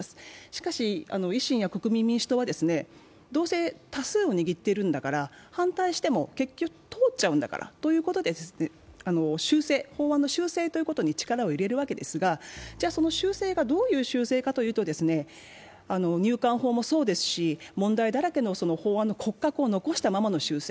しかし維新や国民民主党はどうせ多数を握ってるんだから反対しても結局通っちゃうんだからということで、法案の修正というところに力を入れるわけですがその修正がどういう修正かというと、入管法もそうですし問題だらけの法案の骨格を残したままの修正。